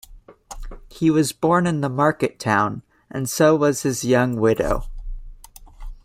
He was born in the market-town, and so was his young widow.